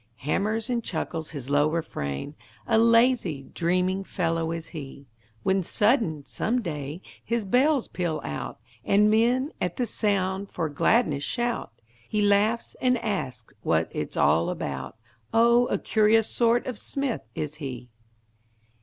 Hammers and chuckles his low refrain, A lazy, dreaming fellow is he: When sudden, some day, his bells peal out, And men, at the sound, for gladness shout; He laughs and asks what it's all about; Oh, a curious sort of smith is he.